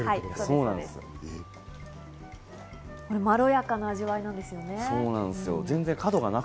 まろやかな味わいなんですよね。